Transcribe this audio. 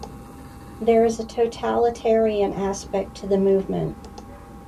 There is an totalitarian aspect to the Movement.